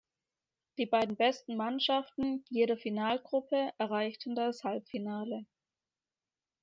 Die beiden besten Mannschaften jeder Finalgruppe erreichten das Halbfinale.